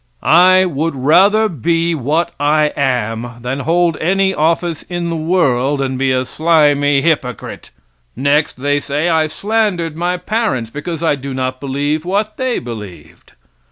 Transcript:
I would rather be what I am than hold any office in the world and be a slimy hypocrite. Next they say I slandered my parents because I do not believe what they believed.